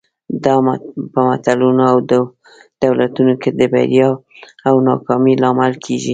دا په ملتونو او دولتونو کې د بریا او ناکامۍ لامل کېږي.